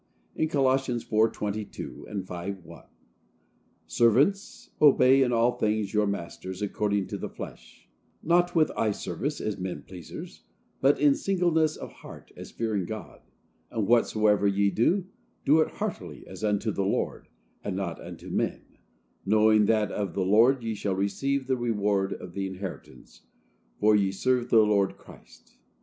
In Colossians 4:22 and 5:1,—"Servants, obey, in all things, your masters, according to the flesh; not with eye service as men pleasers, but in singleness of heart as fearing God; and whatsoever ye do, do it heartily as unto the Lord, and not unto men, knowing that of the Lord ye shall receive the reward of the inheritance, for ye serve the Lord Christ."